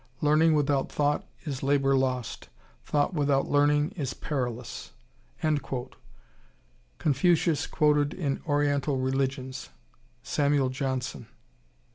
Learning without thought is labor lost; thought without learning is perilous." Confucius Quoted in "Oriental Religions," Samuel Johnson.